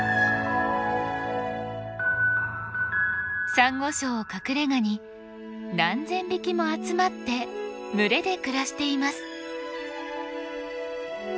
サンゴ礁を隠れがに何千匹も集まって群れで暮らしています。